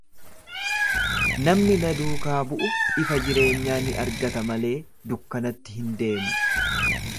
Namni na duukaa bu'u ifa jireenyaa ni argata malee dukkanatti hin deemu.